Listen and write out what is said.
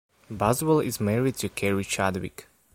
Boswell is married to Keri Chadwick.